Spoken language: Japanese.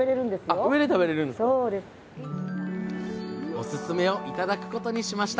おすすめを頂くことにしました！